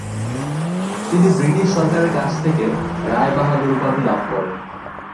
তিনি ব্রিটিশ সরকারের কাছ থেকে "রায় বাহাদুর" উপাধি লাভ করেন।